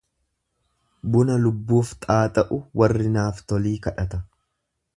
Buna Iubbuuf xaaxa'u warri naaftolii kadhata.